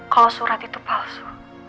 kalau surat itu palsu